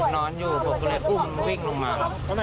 นอนอยู่ผมก็เลยอุ้มวิ่งลงมา